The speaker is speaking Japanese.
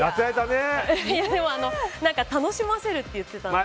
楽しませるって言ってたので。